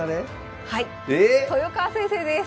はい豊川先生です。